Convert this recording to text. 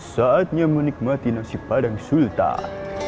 saatnya menikmati nasi padang sultan